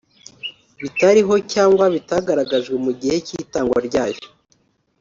bitariho cyangwa bitagaragajwe mu gihe cy’itangwa ryayo